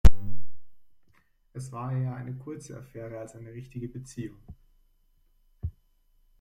Es war eher eine kurze Affäre als eine richtige Beziehung.